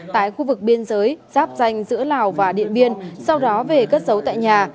tại khu vực biên giới giáp danh giữa lào và điện biên sau đó về cất giấu tại nhà